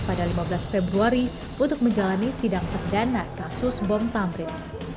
pada lima belas februari untuk menjalani sidang perdana kasus bom tamrin